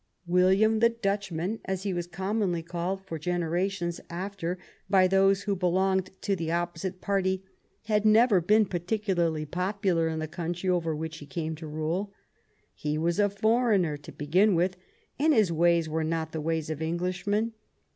William the Dutchman, as he was commonly called for generations after by those who belonged to the opposite party, had never been particularly popular in the country over which he came to rule. He was a foreigner, to begin with, and his ways were not the ways of Englishmen.